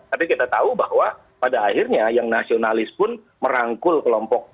tapi kita tahu bahwa pada akhirnya yang nasionalis pun merangkul kelompok